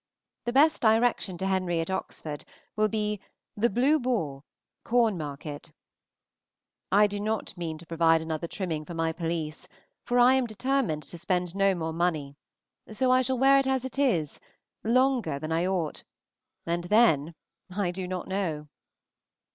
The best direction to Henry at Oxford will be "The Blue Boar, Cornmarket." I do not mean to provide another trimming for my pelisse, for I am determined to spend no more money; so I shall wear it as it is, longer than I ought, and then I do not know.